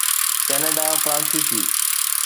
Canada فرانسيسي